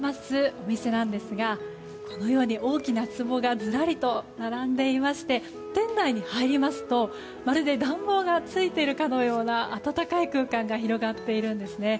お店ですがこのように大きなつぼがずらりと並んでいまして店内に入りますと、まるで暖房がついているかのような温かい空間が広がっているんですね。